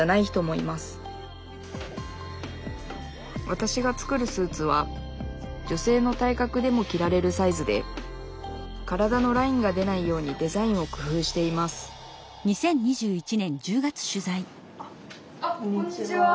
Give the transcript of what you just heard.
わたしが作るスーツは女性の体格でも着られるサイズで体のラインが出ないようにデザインをくふうしていますあっこんにちは。